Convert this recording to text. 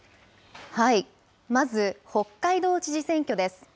まず、北海道知事選挙です。